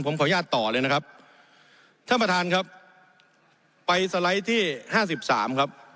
ผมขออนุญาตต่อเลยนะครับท่านประธานครับไปสไลด์ที่ห้าสิบสามครับ